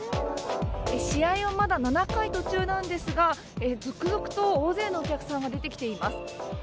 試合はまだ７回途中なんですが続々と大勢のお客さんが出てきています。